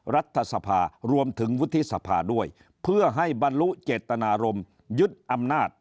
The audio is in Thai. รัฐสภารวมถึงวุฒิสภาด้วยเพื่อให้บรรลุเจตนารมณ์ยึดอำนาจ